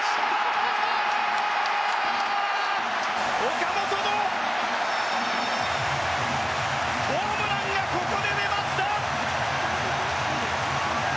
岡本のホームランがここで出ました！